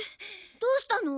どうしたの？